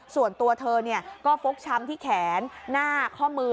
ส่วนตัวเธอก็ฟกช้ำที่แขนหน้าข้อมือ